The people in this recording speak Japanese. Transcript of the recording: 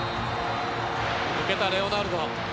抜けたレオナルド。